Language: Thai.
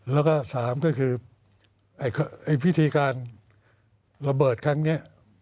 แล้วก็๓ก็คือพิธีการระเบิดครั้งนี้